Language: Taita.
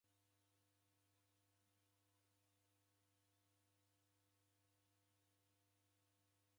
Uhu mndu wafwa oreka ni Mchili unughiagha sharia.